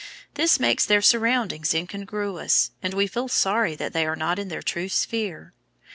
This makes their surroundings incongruous, and we feel sorry that they are not in their true sphere.